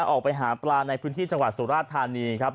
ออกไปหาปลาในพื้นที่จังหวัดสุราชธานีครับ